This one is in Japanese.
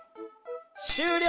終了！